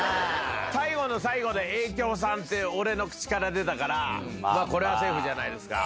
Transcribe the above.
最後の最後で『エイキョーさん』って俺の口から出たからこれはセーフじゃないですか。